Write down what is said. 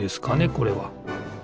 これは。